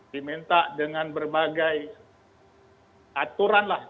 diminta dengan berbagai aturan lah